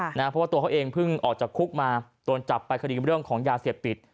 เพราะว่าตัวเขาเองเพิ่งออกจากคุกมาโดนจับไปคดีเรื่องของยาเสพติด